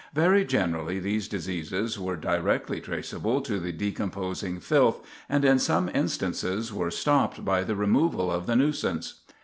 Very generally these diseases were directly traceable to the decomposing filth, and in some instances were stopped by the removal of the nuisance.